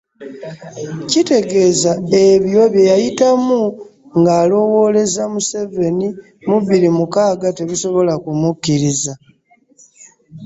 Kitegeeza ebyo bye yayitamu ng'awolereza Museveni mu bbiri mukaaga tebisobola kumukkiriza